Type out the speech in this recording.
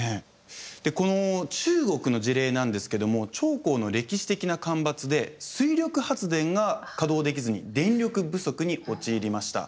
この中国の事例なんですけども長江の歴史的な干ばつで水力発電が稼働できずに電力不足に陥りました。